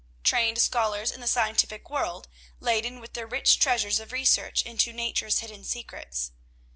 Trained scholars in the scientific world, laden with their rich treasures of research into nature's hidden secrets.